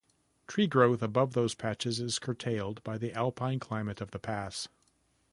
Tree growth above those patches is curtailed by the alpine climate of the pass.